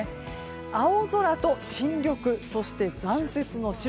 青空と新緑、そして残雪の白。